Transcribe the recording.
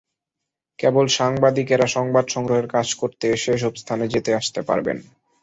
কেবল সাংবাদিকেরা সংবাদ সংগ্রহের কাজ করতে এসব স্থানে যেতে আসতে পারবেন।